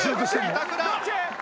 板倉。